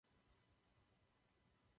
Sídlo vzbouřenců bylo v klášterním kostele.